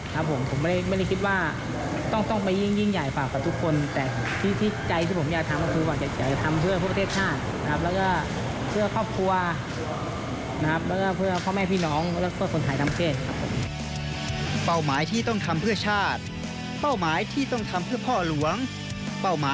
ครับผมผมไม่ได้ไม่ได้คิดว่าต้องต้องไปยิ่งยิ่งใหญ่ฝากกับทุกคนแต่ที่ที่ใจที่ผมอยากทำก็คือว่าจะจะทำเพื่อพวกประเทศชาติครับแล้วก็เพื่อครอบครัวนะครับแล้วก็เพื่อพ่อแม่พี่น้องและส่วนคนถ่ายน้ำเทศครับผม